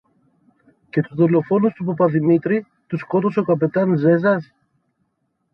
Και τους δολοφόνους του παπα-Δημήτρη, τους σκότωσε ο καπετάν-Ζέζας;